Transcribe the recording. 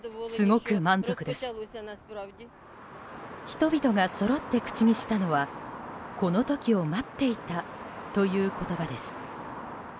人々がそろって口にしたのはこの時を待っていたという言葉です。